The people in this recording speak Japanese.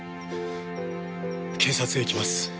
警察へ行きます。